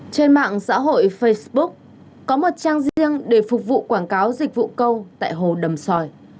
trên mạng xã hội facebook có một trang riêng để phục vụ quảng cáo dịch vụ câu tại hồ đầm sòi